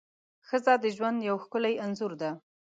ښځه د ژوند یو ښکلی انځور ده.